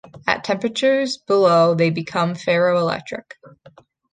At temperatures below they become ferroelectric.